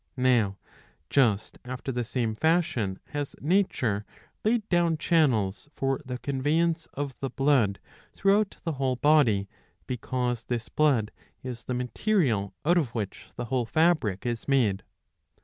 Now just after the same fashion has nature laid down channels for the conveyance of the blood throughout the whole body, because this blood is the material out of which the whole fabric is made.